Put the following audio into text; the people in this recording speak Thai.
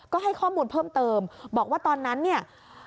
ก็ให้ข้อมูลเพิ่มเติมบอกว่าตอนนั้นเนี่ย